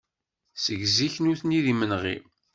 Seg zik nutni d imenɣi.